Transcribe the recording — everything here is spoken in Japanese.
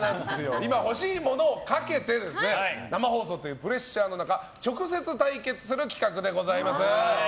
今、欲しいものをかけて生放送というプレッシャーの中直接対決する企画でございます。